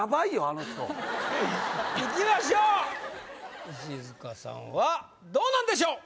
あの人いきましょう石塚さんはどうなんでしょう？